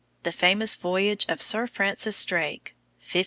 THE FAMOUS VOYAGE OF SIR FRANCIS DRAKE 1577.